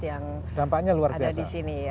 yang ada di sini